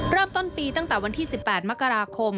เริ่มต้นปีตั้งแต่วันที่๑๘มกราคม